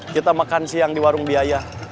kita makan siang di warung biaya